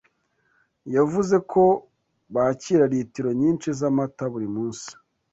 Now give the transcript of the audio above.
yavuze ko bakira litiro nyinshi z’amata buri munsi,